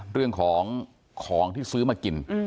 เรื่องของของที่ซื้อมากิน